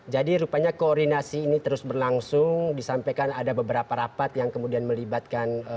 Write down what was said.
jadi rupanya koordinasi ini terus berlangsung disampaikan ada beberapa rapat yang kemudian melibatkan